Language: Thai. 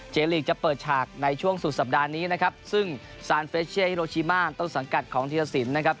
ลีกจะเปิดฉากในช่วงสุดสัปดาห์นี้นะครับซึ่งซานเฟชเช่ฮิโรชิมานต้นสังกัดของธีรสินนะครับ